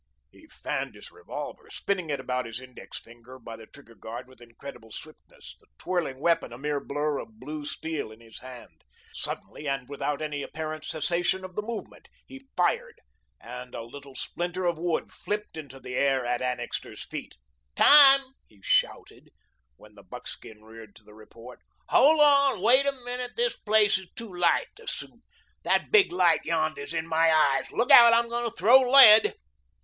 He "fanned" his revolver, spinning it about his index finger by the trigger guard with incredible swiftness, the twirling weapon a mere blur of blue steel in his hand. Suddenly and without any apparent cessation of the movement, he fired, and a little splinter of wood flipped into the air at Annixter's feet. "Time!" he shouted, while the buckskin reared to the report. "Hold on wait a minute. This place is too light to suit. That big light yonder is in my eyes. Look out, I'm going to throw lead."